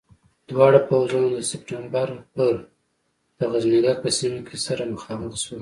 دواړه پوځونه د سپټمبر پر د غزنيګک په سیمه کې سره مخامخ شول.